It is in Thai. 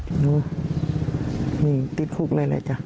ผมอยู่ที่นี่ติดคุกเลย